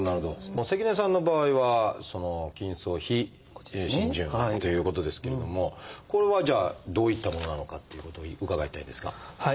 もう関根さんの場合は筋層非浸潤がんということですけれどもこれはじゃあどういったものなのかっていうことを伺いたいんですが。